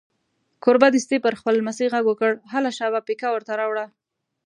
کوربه دستي پر خپل لمسي غږ وکړ: هله شابه پیکه ور ته راوړه.